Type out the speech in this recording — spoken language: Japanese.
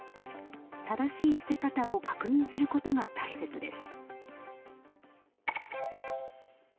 正しい捨て方を確認することが大切です。